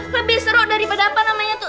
lebih seru daripada apa namanya tuh